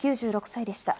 ９６歳でした。